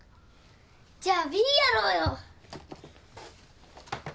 じゃあＷｉｉやろうよ！